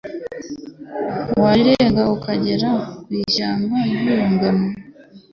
warirenga ukagera ku ishyamba ry'urugano.